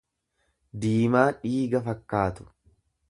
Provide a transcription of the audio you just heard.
diimaa dhiiga fakkaatu.